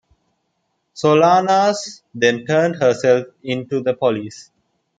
Solanas then turned herself in to the police.